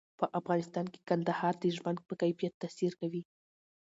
په افغانستان کې کندهار د ژوند په کیفیت تاثیر کوي.